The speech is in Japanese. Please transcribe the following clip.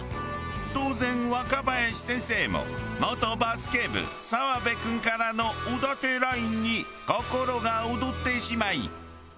当然若林先生も元バスケ部澤部君からのおだてＬＩＮＥに心が躍ってしまい。